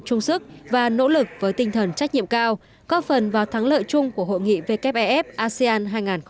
trung sức và nỗ lực với tinh thần trách nhiệm cao có phần vào thắng lợi chung của hội nghị wef asean hai nghìn một mươi tám